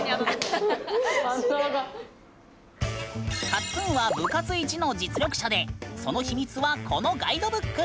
カッツンは部活一の実力者でその秘密は、このガイドブック。